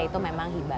ya itu memang hibah